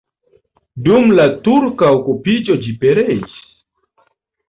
Dum la turka okupiĝo ĝi pereis.